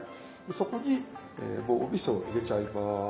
そこにもうおみそを入れちゃいます。